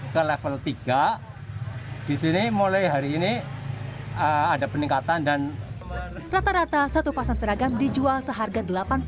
ke level tiga disini mulai hari ini ada peningkatan dan rata rata satu pasang seragam dijual seharga